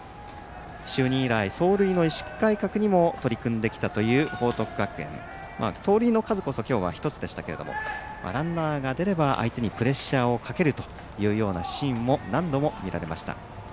就任以来走塁の意識改革にも取り組んできたという報徳学園、盗塁の数こそ今日１つでしたけどランナーが出れば相手にプレッシャーをかけるというシーンも何度も見られました。